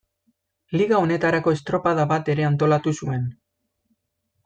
Liga honetarako estropada bat ere antolatu zuen.